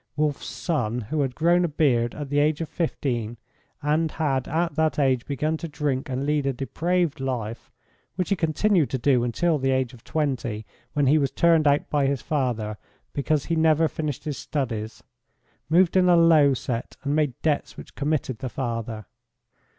Wolf's son, who had grown a beard at the age of 15, and had at that age begun to drink and lead a depraved life, which he continued to do till the age of 20, when he was turned out by his father because he never finished his studies, moved in a low set and made debts which committed the father.